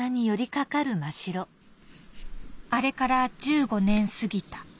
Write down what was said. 「あれから１５年過ぎた。